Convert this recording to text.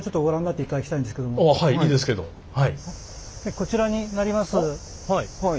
こちらになります。